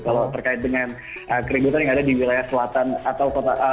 kalau terkait dengan keributan yang ada di wilayah selatan atau kota